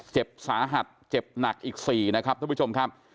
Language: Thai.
เจ็บสาหัสเจ็บหนักอีก๔นะครับท่านผู้ชมครับ